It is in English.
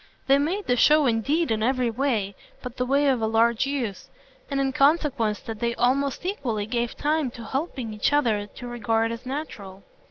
They made the show indeed in every way but the way of a large use an inconsequence that they almost equally gave time to helping each other to regard as natural.